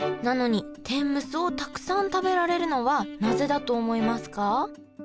なのに天むすをたくさん食べられるのはなぜだと思いますか？